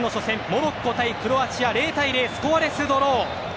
モロッコ対クロアチアは０対０、スコアレスドロー！